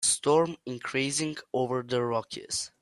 Storm increasing over the Rockies.